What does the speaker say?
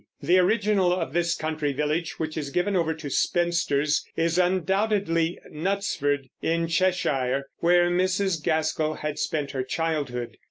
The original of this country village, which is given over to spinsters, is undoubtedly Knutsford, in Cheshire, where Mrs. Gaskell had spent her childhood.